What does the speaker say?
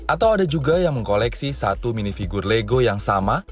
atau ada juga yang mengkoleksi satu mini figur lego yang sama